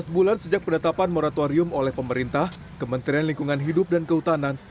lima belas bulan sejak penetapan moratorium oleh pemerintah kementerian lingkungan hidup dan kehutanan